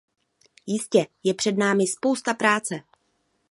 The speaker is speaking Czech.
Jistě je před námi spousta práce.